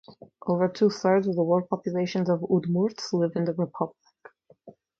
Over two thirds of the world population of Udmurts live in the republic.